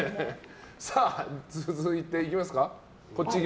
さあ、続いていきますか。